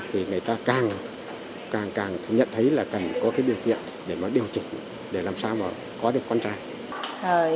thì người ta càng càng nhận thấy là càng có cái điều kiện để mà điều chỉnh để làm sao mà có được con trai